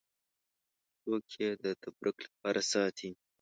څوک یې د تبرک لپاره ساتي.